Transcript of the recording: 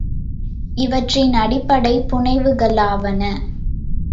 இவற்றின் அடிப்படைப் புனைவுகளாவன.